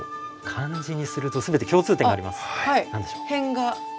漢字にすると全て共通点があります。